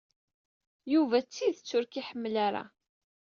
Yuba d tidet ur k-iḥemmel ara.